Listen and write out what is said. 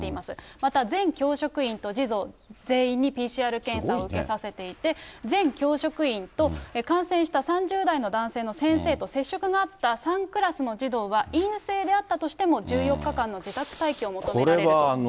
また全教職員と児童全員にＰＣＲ検査を受けさせていて、全教職員と、感染した３０代の男性の先生と接触があった３クラスの児童は、陰性であったとしても１４日間の自宅待機を求められると。